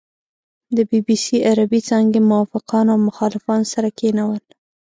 د بي بي سي عربې څانګې موافقان او مخالفان سره کېنول.